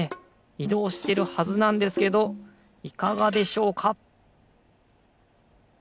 いどうしてるはずなんですけどいかがでしょうか？